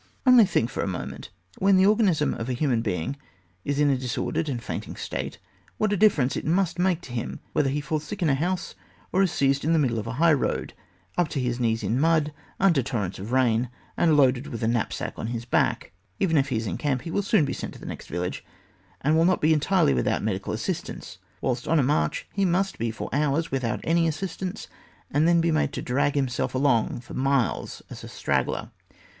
Only think for a moment, when the organism of a human being is in a disordered and fainting state, what a difference it must make to him whether he falls sick in a house or is seized in the middle of a high road, up to his knees in mud, under torrents of rain, and loaded with a knapsack on his back; even if he is in a camp he can soon be sent to the next village, and will not be entirely without medical assistance, whilst on a march he must be for hours without any assistance, and then be made to drag himself along for miles as a straggler.